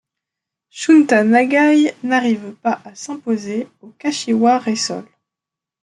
Shunta Nagai n'arrive pas à s'imposer au Kashiwa Reysol.